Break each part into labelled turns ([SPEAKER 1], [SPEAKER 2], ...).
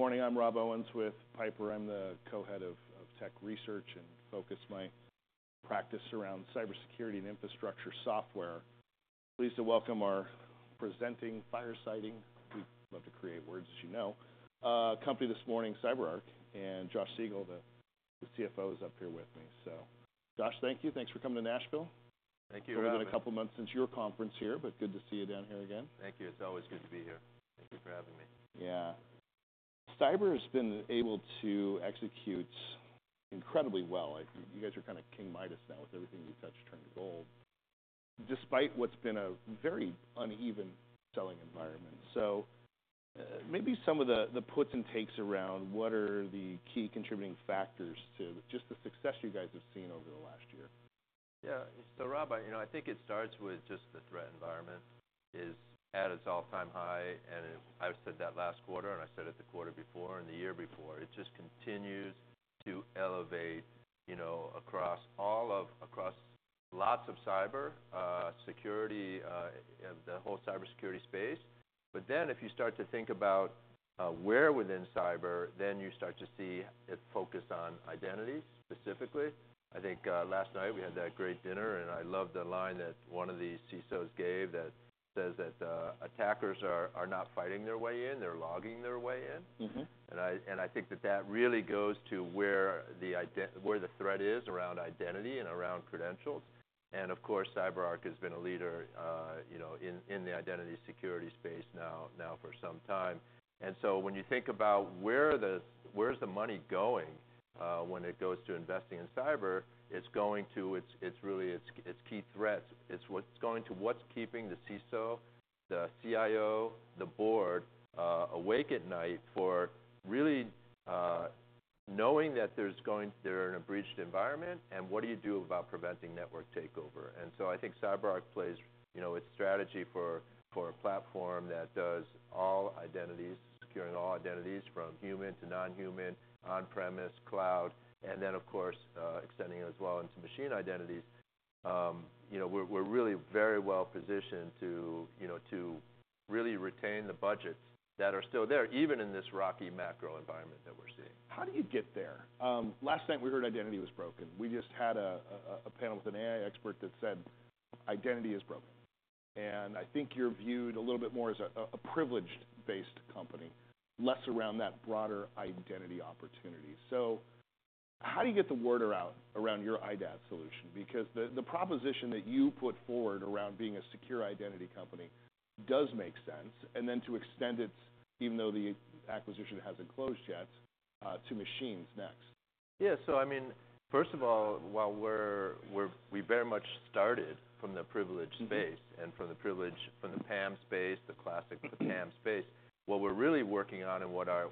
[SPEAKER 1] Good morning. I'm Rob Owens with Piper. I'm the co-head of tech research, and focus my practice around cybersecurity and infrastructure software. Pleased to welcome our presenting firesiding. We love to create words, as you know. Company this morning, CyberArk, and Josh Siegel, the CFO, is up here with me. So Josh, thank you. Thanks for coming to Nashville.
[SPEAKER 2] Thank you for having me.
[SPEAKER 1] Been a couple of months since your conference here, but good to see you down here again.
[SPEAKER 2] Thank you. It's always good to be here. Thank you for having me.
[SPEAKER 1] Yeah. Cyber has been able to execute incredibly well. Like, you guys are kind of King Midas now, with everything you touch turning to gold, despite what's been a very uneven selling environment. So, maybe some of the puts and takes around what are the key contributing factors to just the success you guys have seen over the last year?
[SPEAKER 2] Yeah. So Rob, I, you know, I think it starts with just the threat environment is at its all-time high, and I've said that last quarter, and I said it the quarter before, and the year before. It just continues to elevate, you know, across all of- across lots of cybersecurity, and the whole cybersecurity space. But then if you start to think about where within cybersecurity, then you start to see it focused on identities specifically. I think last night we had that great dinner, and I love the line that one of the CISOs gave that says that "Attackers are not fighting their way in, they're logging their way in.
[SPEAKER 1] Mm-hmm.
[SPEAKER 2] I think that that really goes to where the threat is around identity and around credentials. And of course, CyberArk has been a leader, you know, in the identity security space now for some time. And so when you think about where the money is going when it goes to investing in cyber, it's really key threats. It's what's keeping the CISO, the CIO, the board awake at night, really knowing that they're in a breached environment, and what do you do about preventing network takeover? And so I think CyberArk plays you know its strategy for a platform that does all identities, securing all identities from human to non-human, on-premise, cloud, and then of course extending it as well into machine identities. You know, we're really very well positioned to, you know, to really retain the budgets that are still there, even in this rocky macro environment that we're seeing.
[SPEAKER 1] How do you get there? Last night we heard identity was broken. We just had a panel with an AI expert that said, "Identity is broken," and I think you're viewed a little bit more as a privilege-based company, less around that broader identity opportunity, so how do you get the word around your IDaaS solution? Because the proposition that you put forward around being a secure identity company does make sense, and then to extend it, even though the acquisition hasn't closed yet, to machines next.
[SPEAKER 2] Yeah, so I mean, first of all, while we're, we very much started from the privileged space-
[SPEAKER 1] Mm-hmm...
[SPEAKER 2] and from the privileged, from the PAM space, the classic-
[SPEAKER 1] Mm-hmm...
[SPEAKER 2] PAM space. What we're really working on and what our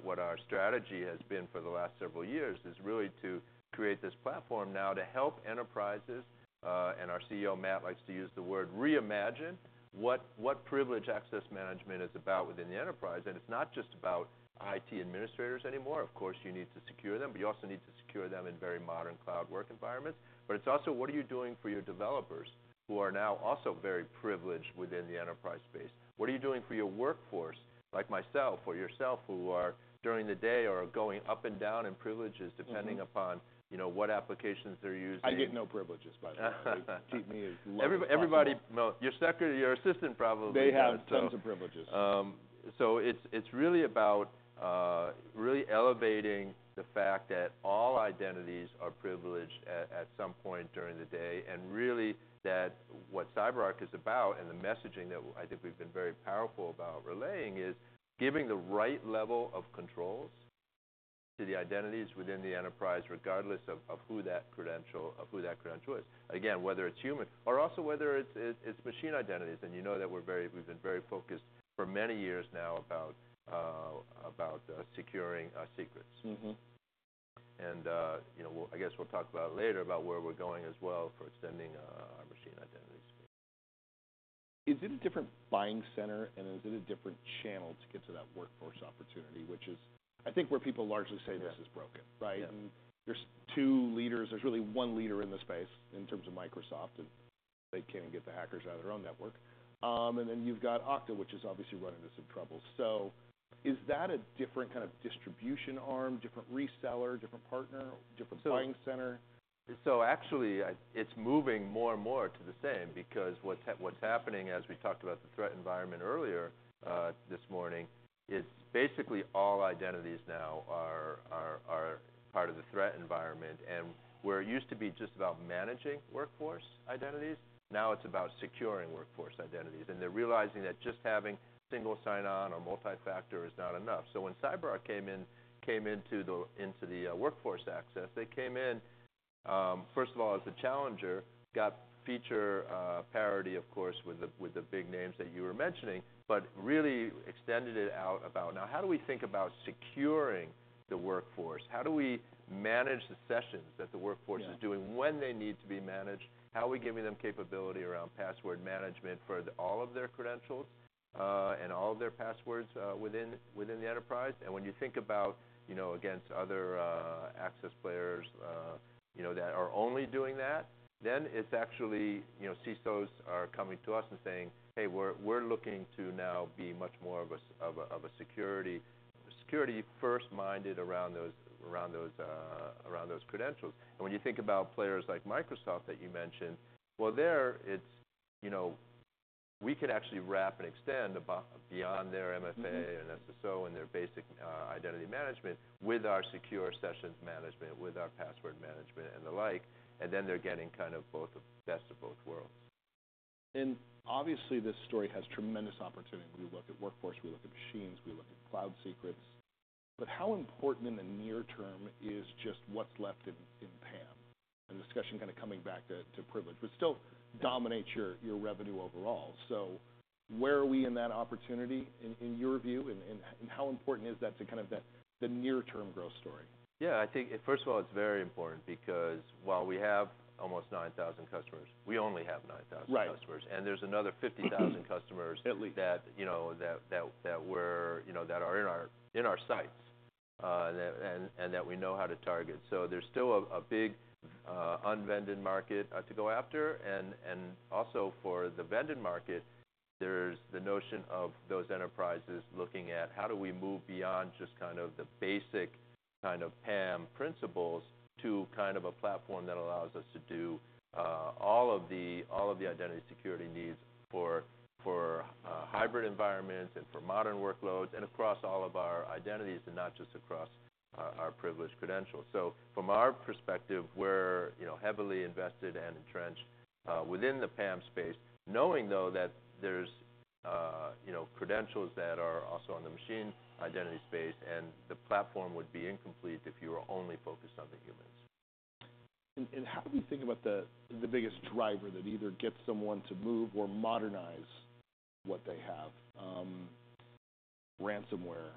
[SPEAKER 2] strategy has been for the last several years is really to create this platform now to help enterprises, and our CEO, Matt, likes to use the word "reimagine," what privileged access management is about within the enterprise. It's not just about IT administrators anymore. Of course, you need to secure them, but you also need to secure them in very modern cloud work environments. It's also, what are you doing for your developers, who are now also very privileged within the enterprise space? What are you doing for your workforce, like myself or yourself, who are, during the day, are going up and down in privileges-
[SPEAKER 1] Mm-hmm...
[SPEAKER 2] depending upon, you know, what applications they're using?
[SPEAKER 1] I get no privileges, by the way. They treat me as low as possible.
[SPEAKER 2] Everybody... Well, your secretary, your assistant, probably-
[SPEAKER 1] They have tons of privileges.
[SPEAKER 2] So it's really about elevating the fact that all identities are privileged at some point during the day. And really, what CyberArk is about, and the messaging that I think we've been very powerful about relaying, is giving the right level of controls to the identities within the enterprise, regardless of who that credential is. Again, whether it's human or also whether it's machine identities, and you know that we've been very focused for many years now about securing secrets.
[SPEAKER 1] Mm-hmm.
[SPEAKER 2] And, you know, I guess we'll talk about it later, about where we're going as well for extending our machine identity scheme.
[SPEAKER 1] Is it a different buying center, and is it a different channel to get to that workforce opportunity? Which is, I think, where people largely say-
[SPEAKER 2] Yeah...
[SPEAKER 1] this is broken, right?
[SPEAKER 2] Yeah.
[SPEAKER 1] There's two leaders. There's really one leader in the space in terms of Microsoft, and they can't even get the hackers out of their own network, and then you've got Okta, which is obviously running into some trouble. So is that a different kind of distribution arm, different reseller, different partner, different buying center?
[SPEAKER 2] So actually, it's moving more and more to the same, because what's happening, as we talked about the threat environment earlier, this morning, is basically all identities now are part of the threat environment. And where it used to be just about managing workforce identities, now it's about securing workforce identities. And they're realizing that just having single sign-on or multi-factor is not enough. So when CyberArk came into the workforce access, they came in first of all as the challenger, got feature parity, of course, with the big names that you were mentioning, but really extended it out about: Now, how do we think about securing the workforce? How do we manage the sessions that the workforce-
[SPEAKER 1] Yeah...
[SPEAKER 2] is doing, when they need to be managed? How are we giving them capability around password management for all of their credentials, and all of their passwords, within the enterprise? And when you think about you know, against other access players, you know, that are only doing that, then it's actually, you know, CISOs are coming to us and saying: "Hey, we're looking to now be much more of a security first minded around those credentials." And when you think about players like Microsoft that you mentioned, well, there it's, you know, we could actually wrap and extend above and beyond their MFA-
[SPEAKER 1] Mm-hmm...
[SPEAKER 2] and SSO, and their basic identity management with our secure sessions management, with our password management and the like, and then they're getting kind of best of both worlds.
[SPEAKER 1] Obviously, this story has tremendous opportunity. We look at Workforce, we look at Machines, we look at Cloud Secrets. How important in the near term is just what's left in PAM? The discussion kind of coming back to Privilege, which still dominates your revenue overall. Where are we in that opportunity in your view, and how important is that to kind of the near-term growth story?
[SPEAKER 2] Yeah, I think, first of all, it's very important because while we have almost 9,000 customers, we only have 9,000 customers.
[SPEAKER 1] Right.
[SPEAKER 2] and there's another 50,000 customers-
[SPEAKER 1] At least...
[SPEAKER 2] that, you know, that we're, you know, that are in our sights, and that we know how to target. So there's still a big unvended market to go after. And also for the vended market, there's the notion of those enterprises looking at how do we move beyond just kind of the basic kind of PAM principles to kind of a platform that allows us to do all of the identity security needs for hybrid environments and for modern workloads, and across all of our identities, and not just across our privileged credentials. So from our perspective, we're, you know, heavily invested and entrenched within the PAM space, knowing, though, that there's, you know, credentials that are also on the machine identity space, and the platform would be incomplete if you were only focused on the humans.
[SPEAKER 1] How do we think about the biggest driver that either gets someone to move or modernize what they have? Ransomware,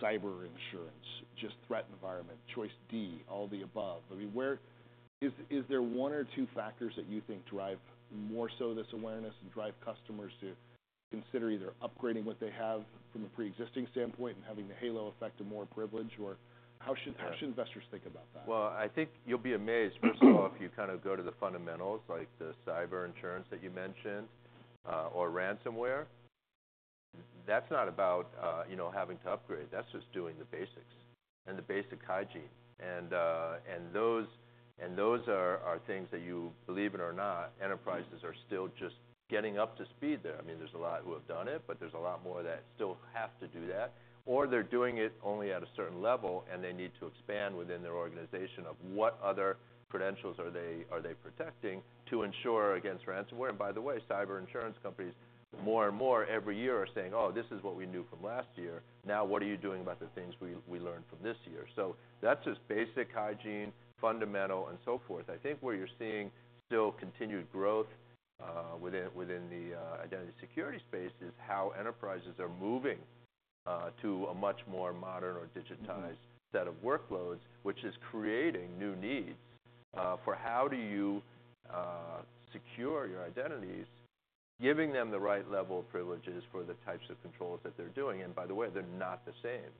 [SPEAKER 1] cyber insurance, just threat environment, choice D, all the above. I mean, where... Is there one or two factors that you think drive more so this awareness and drive customers to consider either upgrading what they have from a pre-existing standpoint and having the halo effect of more privilege? Or how should-
[SPEAKER 2] Yeah...
[SPEAKER 1] how should investors think about that?
[SPEAKER 2] I think you'll be amazed. First of all, if you kind of go to the fundamentals, like the cyber insurance that you mentioned, or ransomware, that's not about, you know, having to upgrade. That's just doing the basics and the basic hygiene. Those are things that you, believe it or not, enterprises are still just getting up to speed there. I mean, there's a lot who have done it, but there's a lot more that still have to do that, or they're doing it only at a certain level, and they need to expand within their organization of what other credentials are they protecting to ensure against ransomware. By the way, cyber insurance companies, more and more every year, are saying, "Oh, this is what we knew from last year. Now, what are you doing about the things we learned from this year?" So that's just basic hygiene, fundamental, and so forth. I think where you're seeing still continued growth within the identity security space is how enterprises are moving to a much more modern or digitized-
[SPEAKER 1] Mm-hmm...
[SPEAKER 2] set of workloads, which is creating new needs, for how do you secure your identities, giving them the right level of privileges for the types of controls that they're doing. And by the way, they're not the same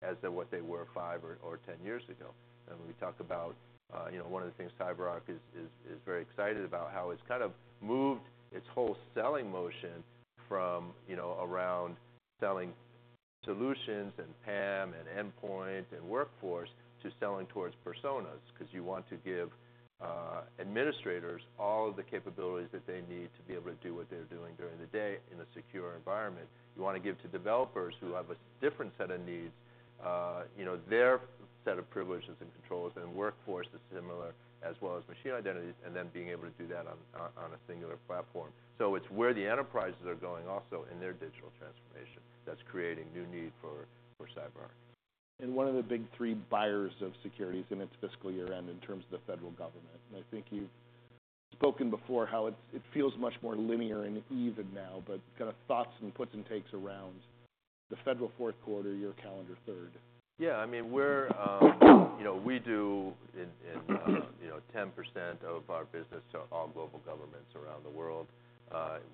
[SPEAKER 2] as what they were five or ten years ago. And we talked about, you know, one of the things CyberArk is very excited about how it's kind of moved its whole selling motion from, you know, around selling solutions, and PAM, and Endpoint, and Workforce, to selling towards personas. Because you want to give administrators all of the capabilities that they need to be able to do what they're doing during the day in a secure environment. You want to give to developers, who have a different set of needs, you know, their set of privileges and controls, and Workforce is similar, as well as Machine Identity, and then being able to do that on a singular platform. So it's where the enterprises are going also in their digital transformation that's creating new need for CyberArk.
[SPEAKER 1] One of the big three buyers of security in its fiscal year end, in terms of the federal government, and I think you've spoken before how it feels much more linear and even now, but kind of thoughts and puts and takes around the federal fourth quarter, your calendar third.
[SPEAKER 2] Yeah, I mean, we're, you know, we do in, you know, 10% of our business to all global governments around the world,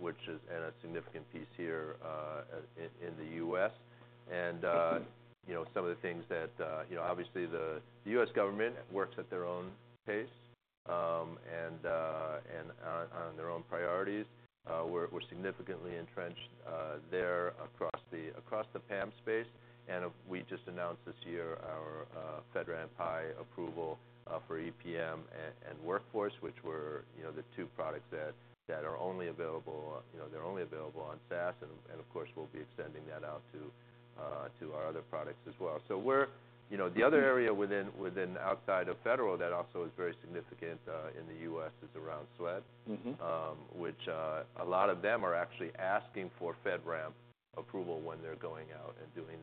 [SPEAKER 2] which is... And a significant piece here, in the U.S., And, you know, some of the things that, you know, obviously the U.S. government works at their own pace, and, and on their own priorities. We're significantly entrenched there across the PAM space. And we just announced this year our FedRAMP High approval for EPM and Workforce, which were, you know, the two products that are only available, you know, they're only available on SaaS, and of course, we'll be extending that out to our other products as well. So we're... You know, the other area within, outside of federal, that also is very significant, in the U.S., is around SLED.
[SPEAKER 1] Mm-hmm.
[SPEAKER 2] A lot of them are actually asking for FedRAMP approval when they're going out and doing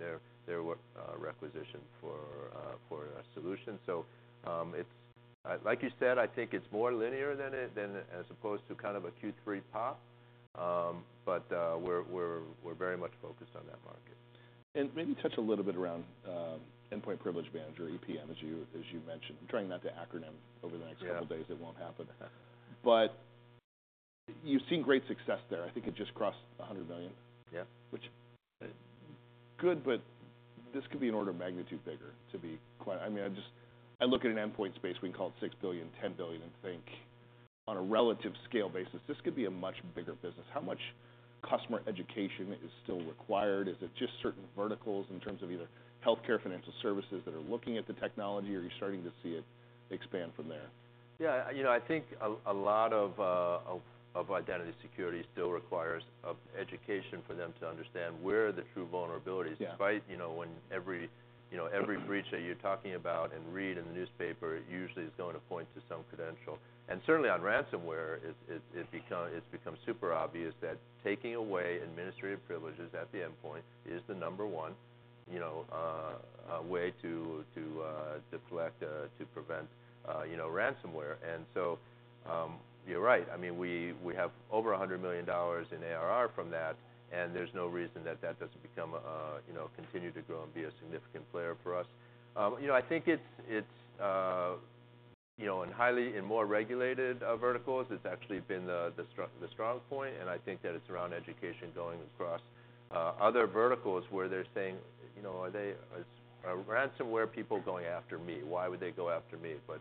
[SPEAKER 2] their work requisition for a solution. So, it's like you said, I think it's more linear than it as opposed to kind of a Q3 pop. But, we're very much focused on that market.
[SPEAKER 1] And maybe touch a little bit around Endpoint Privilege Manager, EPM, as you, as you mentioned. I'm trying not to acronym over the next couple-
[SPEAKER 2] Yeah...
[SPEAKER 1] of days. It won't happen. You've seen great success there. I think it just crossed a $100 million?
[SPEAKER 2] Yeah.
[SPEAKER 1] Which, good, but this could be an order of magnitude bigger, I mean, I just look at an endpoint space, we can call it $6 billion, $10 billion, and think on a relative scale basis, this could be a much bigger business. How much customer education is still required? Is it just certain verticals in terms of either healthcare, financial services that are looking at the technology, or are you starting to see it expand from there?
[SPEAKER 2] Yeah, you know, I think a lot of identity security still requires of education for them to understand where are the true vulnerabilities-
[SPEAKER 1] Yeah.
[SPEAKER 2] despite, you know, when every, you know, every breach
[SPEAKER 1] Mm-hmm
[SPEAKER 2] That you're talking about and read in the newspaper usually is going to point to some credential. And certainly, on ransomware, it's become super obvious that taking away administrative privileges at the endpoint is the number one, you know, way to prevent, you know, ransomware. And so, you're right. I mean, we have over $100 million in ARR from that, and there's no reason that that doesn't continue to grow and be a significant player for us. You know, I think it's in highly and more regulated verticals, it's actually been the strong point, and I think that it's around education going across other verticals where they're saying, you know, are ransomware people going after me? Why would they go after me? But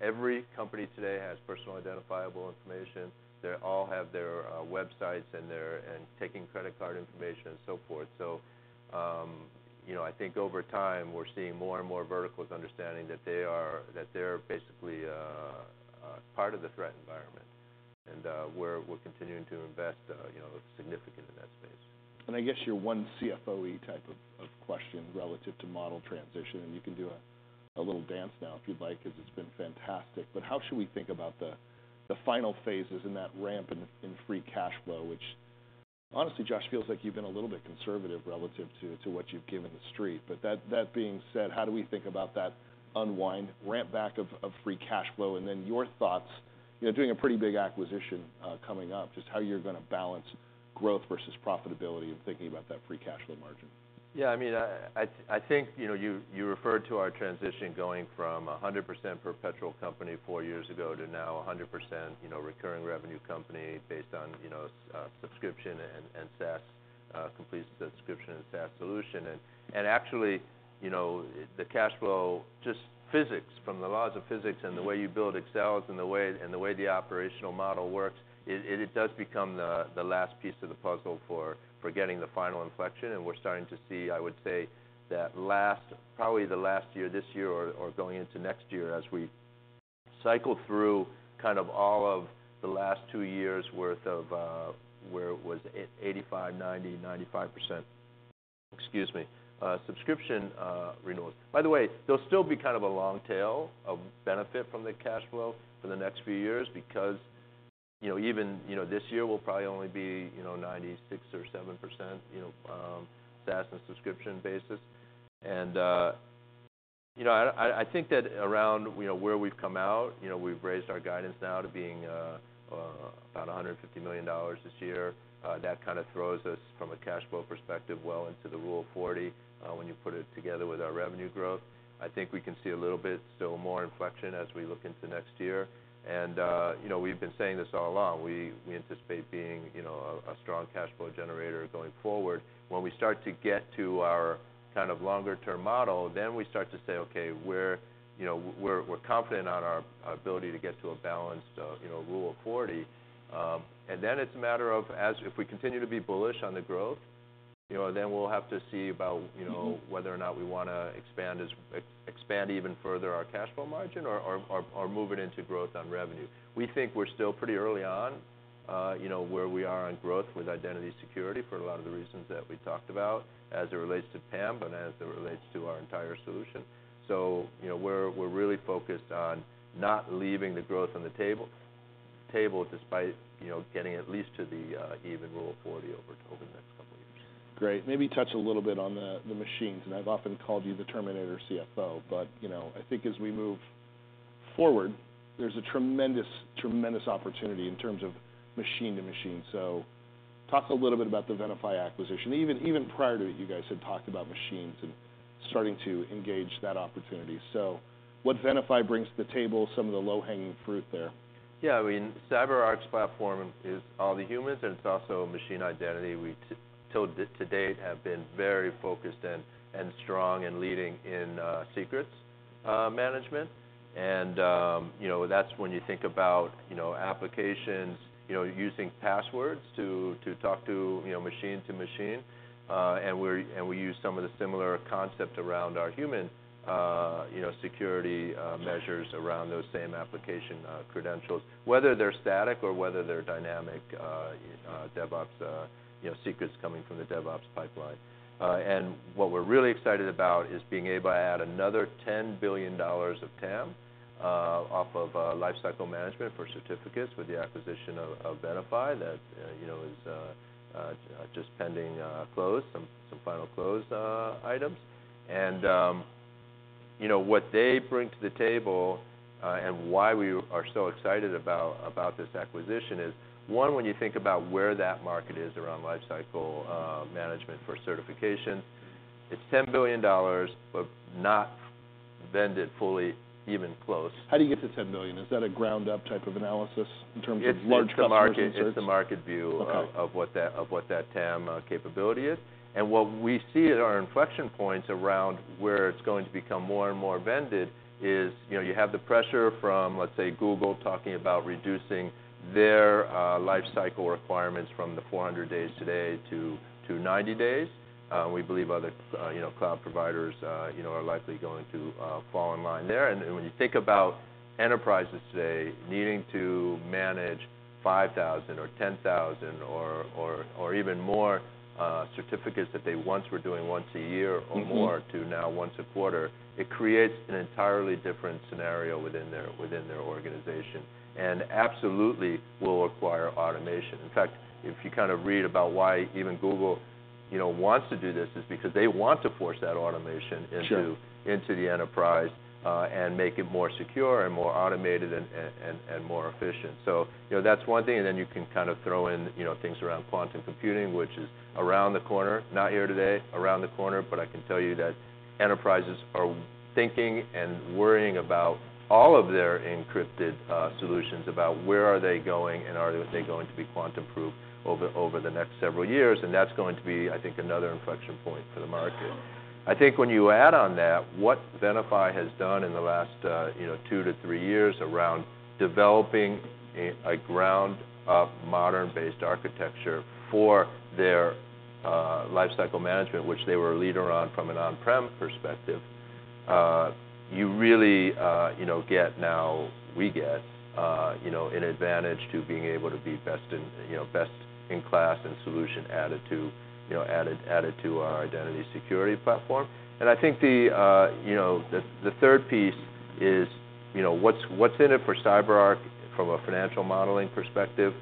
[SPEAKER 2] every company today has personal identifiable information. They all have their websites and taking credit card information, and so forth. So, you know, I think over time, we're seeing more and more verticals understanding that they're basically part of the threat environment. And, we're continuing to invest, you know, significant in that space.
[SPEAKER 1] I guess your one CFO type of question relative to model transition, and you can do a little dance now if you'd like, 'cause it's been fantastic. But how should we think about the final phases in that ramp in free cash flow, which honestly, Josh, feels like you've been a little bit conservative relative to what you've given the street. But that being said, how do we think about that unwind, ramp back of free cash flow, and then your thoughts, you know, doing a pretty big acquisition coming up, just how you're gonna balance growth versus profitability and thinking about that free cash flow margin?
[SPEAKER 2] Yeah, I mean, I think, you know, you referred to our transition going from 100% perpetual company four years ago to now 100%, you know, recurring revenue company based on, you know, subscription and SaaS, complete subscription and SaaS solution. Actually, you know, the cash flow, just physics, from the laws of physics and the way you build excels and the way the operational model works, it does become the last piece of the puzzle for getting the final inflection. We're starting to see, I would say, that last, probably the last year, this year, or going into next year, as we cycle through kind of all of the last two years' worth of where it was 85%, 90%, 95%. Excuse me, subscription renewals. By the way, there'll still be kind of a long tail of benefit from the cash flow for the next few years because, you know, even, you know, this year will probably only be, you know, 96%-97%, you know, SaaS and subscription basis, and you know, I think that around, you know, where we've come out, you know, we've raised our guidance now to being about $150 million this year. That kind of throws us, from a cash flow perspective, well into the Rule of 40, when you put it together with our revenue growth. I think we can see a little bit still more inflection as we look into next year. You know, we've been saying this all along. We anticipate being a strong cash flow generator going forward. When we start to get to our kind of longer term model, then we start to say, "Okay, we're, you know, we're confident on our ability to get to a balanced, you know, Rule of 40." And then it's a matter of if we continue to be bullish on the growth, you know, then we'll have to see about, you know, whether or not we wanna expand even further our cash flow margin or move it into growth on revenue. We think we're still pretty early on, you know, where we are on growth with identity security for a lot of the reasons that we talked about as it relates to PAM, but as it relates to our entire solution. So, you know, we're really focused on not leaving the growth on the table despite, you know, getting at least to the, even Rule of 40 over the next couple of years.
[SPEAKER 1] Great. Maybe touch a little bit on the machines, and I've often called you the Terminator CFO. But, you know, I think as we move forward, there's a tremendous, tremendous opportunity in terms of machine to machine. So talk a little bit about the Venafi acquisition. Even prior to it, you guys had talked about machines and starting to engage that opportunity. So what Venafi brings to the table, some of the low-hanging fruit there?
[SPEAKER 2] Yeah, I mean, CyberArk's platform is all the humans, and it's also machine identity. We to date have been very focused and strong and leading in secrets management. And you know, that's when you think about, you know, applications, you know, using passwords to talk to, you know, machine to machine. And we use some of the similar concept around our human, you know, security measures around those same application credentials, whether they're static or whether they're dynamic, DevOps, you know, secrets coming from the DevOps pipeline. And what we're really excited about is being able to add another $10 billion of TAM off of lifecycle management for certificates with the acquisition of Venafi that you know is just pending close some final close items. And you know what they bring to the table and why we are so excited about this acquisition is, one, when you think about where that market is around lifecycle management for certification, it's $10 billion, but not vended fully even close.
[SPEAKER 1] How do you get to $10 billion? Is that a ground up type of analysis in terms of large customers and certs?
[SPEAKER 2] It's the market, it's the market view-
[SPEAKER 1] Okay.
[SPEAKER 2] of what that TAM capability is. And what we see at our inflection points around where it's going to become more and more vended is, you know, you have the pressure from, let's say, Google talking about reducing their life cycle requirements from the 400 days today to 90 days. We believe other, you know, cloud providers, you know, are likely going to fall in line there. And when you think about enterprises today needing to manage 5,000 or 10,000 or even more certificates that they once were doing once a year-
[SPEAKER 1] Mm-hmm
[SPEAKER 2] - or more, to now once a quarter, it creates an entirely different scenario within their organization, and absolutely will require automation. In fact, if you kind of read about why even Google, you know, wants to do this, is because they want to force that automation into-
[SPEAKER 1] Sure...
[SPEAKER 2] into the enterprise, and make it more secure and more automated and more efficient. So, you know, that's one thing, and then you can kind of throw in, you know, things around quantum computing, which is around the corner. Not here today, around the corner, but I can tell you that enterprises are thinking and worrying about all of their encrypted solutions, about where are they going, and are they going to be quantum-proof over the next several years? And that's going to be, I think, another inflection point for the market. I think when you add on that, what Venafi has done in the last, you know, two to three years around developing a ground-up, modern-based architecture for their, lifecycle management, which they were a leader on from an on-prem perspective, you really, you know, get now - we get, you know, an advantage to being able to be best in, you know, best-in-class and solution added to, you know, added to our identity security platform. And I think the, you know, the third piece is, you know, what's in it for CyberArk from a financial modeling perspective?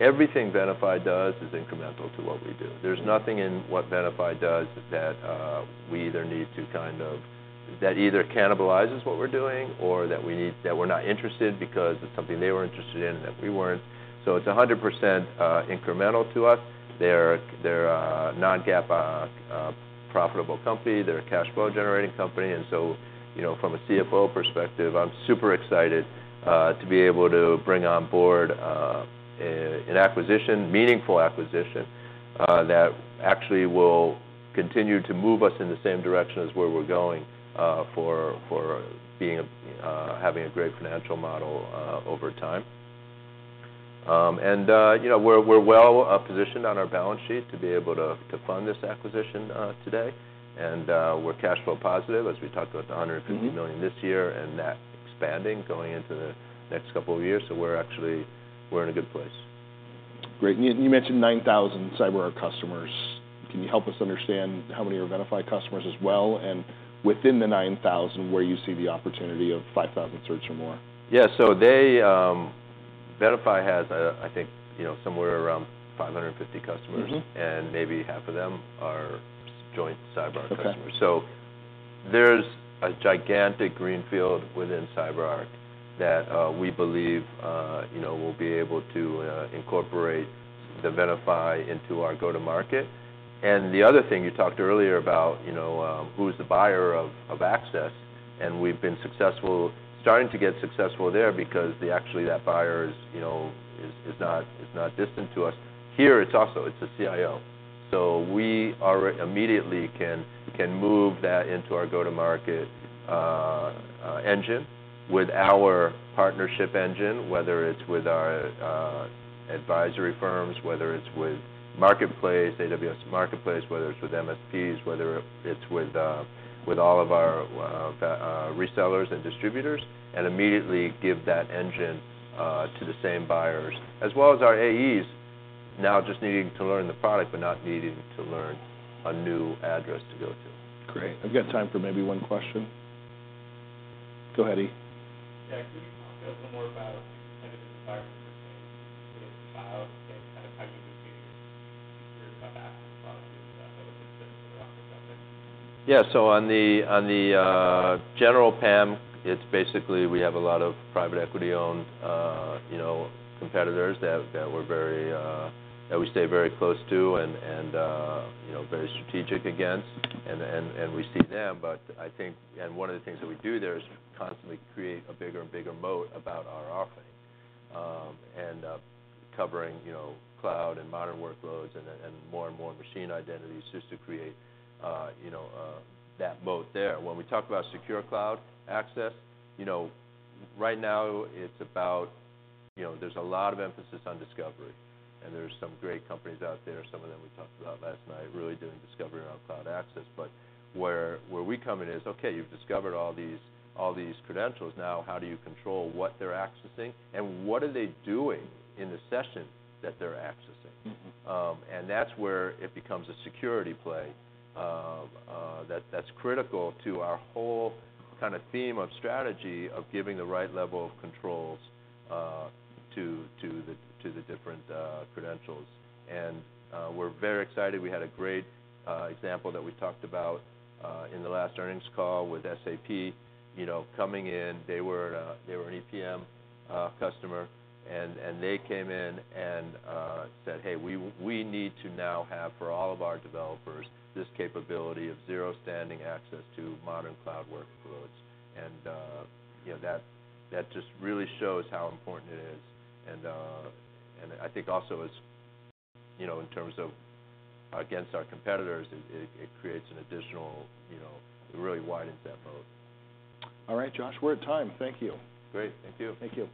[SPEAKER 2] Everything Venafi does is incremental to what we do. There's nothing in what Venafi does that we either need to kind of that either cannibalizes what we're doing or that we need that we're not interested because it's something they were interested in and that we weren't. So it's 100%, incremental to us. They're, they're a non-GAAP, profitable company. They're a cash flow generating company, and so, you know, from a CFO perspective, I'm super excited, to be able to bring on board, a, an acquisition, meaningful acquisition, that actually will continue to move us in the same direction as where we're going, for, for being, having a great financial model, over time. And, you know, we're, we're well, positioned on our balance sheet to be able to, to fund this acquisition, today. We're cash flow positive, as we talked about, $150 million-
[SPEAKER 1] Mm-hmm...
[SPEAKER 2] this year, and that expanding going into the next couple of years, so we're actually in a good place.
[SPEAKER 1] Great, and you mentioned 9,000 CyberArk customers. Can you help us understand how many are Venafi customers as well, and within the 9,000, where you see the opportunity of 5,000 certs or more?
[SPEAKER 2] Yeah. So they, Venafi has, I think, you know, somewhere around 550 customers.
[SPEAKER 1] Mm-hmm.
[SPEAKER 2] Maybe half of them are joint CyberArk customers.
[SPEAKER 1] Okay.
[SPEAKER 2] So there's a gigantic greenfield within CyberArk that we believe you know we'll be able to incorporate the Venafi into our go-to-market. And the other thing you talked earlier about you know who's the buyer of access and we've been successful starting to get successful there because actually that buyer is you know is not distant to us. Here it's also it's the CIO. So we immediately can move that into our go-to-market engine with our partnership engine whether it's with our advisory firms whether it's with Marketplace AWS Marketplace whether it's with MSPs whether it's with all of our resellers and distributors and immediately give that engine to the same buyers. As well as our AEs, now just needing to learn the product, but not needing to learn a new address to go to.
[SPEAKER 1] Great. I've got time for maybe one question. Go ahead, E. Yeah, can you talk a little more about kind of the environment you're seeing, sort of cloud and kind of how you're competing with your access product into that public sector around the sector?
[SPEAKER 2] Yeah. So on the general PAM, it's basically we have a lot of private equity-owned, you know, competitors that we stay very close to and, you know, very strategic against, and we see them. But I think... and one of the things that we do there is constantly create a bigger and bigger moat about our offering, and covering, you know, cloud and modern workloads and more and more machine identities just to create, you know, that moat there. When we talk about Secure Cloud Access, you know, right now it's about. You know, there's a lot of emphasis on discovery, and there are some great companies out there, some of them we talked about last night, really doing discovery around cloud access. But where we come in is, okay, you've discovered all these credentials. Now, how do you control what they're accessing, and what are they doing in the session that they're accessing?
[SPEAKER 1] Mm-hmm.
[SPEAKER 2] And that's where it becomes a security play, that's critical to our whole kind of theme of strategy, of giving the right level of controls to the different credentials. And we're very excited. We had a great example that we talked about in the last earnings call with SAP, you know, coming in. They were an EPM customer, and they came in and said: "Hey, we need to now have, for all of our developers, this capability of zero standing access to modern cloud workloads." And you know, that just really shows how important it is. And I think also as you know, in terms of against our competitors, it creates an additional, you know, it really widens that moat.
[SPEAKER 1] All right, Josh, we're at time. Thank you.
[SPEAKER 2] Great. Thank you.
[SPEAKER 1] Thank you.